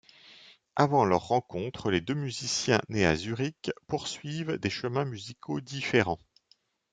Avant leur rencontre, les deux musiciens nés à Zurich poursuivent des chemins musicaux différents.